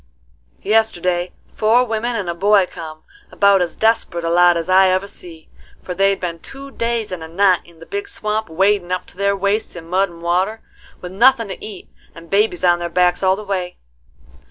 Yesterday four women and a boy come: about as desperate a lot as I ever see; for they'd been two days and a night in the big swamp, wadin' up to their waists in mud and water, with nothin' to eat, and babies on their backs all the way.